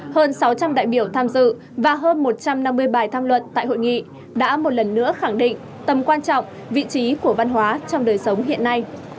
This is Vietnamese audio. hơn sáu trăm linh đại biểu tham dự và hơn một trăm năm mươi bài tham luận tại hội nghị đã một lần nữa khẳng định tầm quan trọng vị trí của văn hóa trong đời sống hiện nay